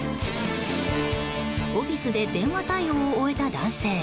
オフィスで電話対応を終えた男性。